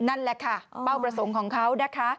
นั่นแหละค่ะเป้าประสงค์ของเขานะคะ